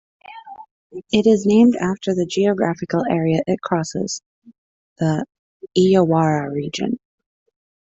It is named after the geographical area it crosses, the Illawarra region.